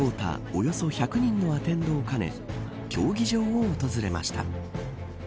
およそ１００人のアテンドを兼ね競技場を訪れました。